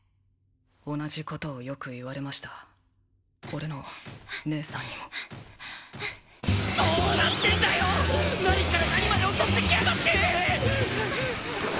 同じことをよく言われました俺の姉さんにもどうなってんだよ何から何まで襲ってきやがって！